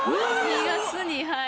２月にはい。